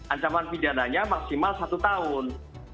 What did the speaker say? ancaman pidananya maksimal satu tahun